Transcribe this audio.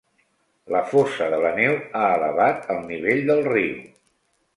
La fosa de la neu ha elevat el nivell del riu.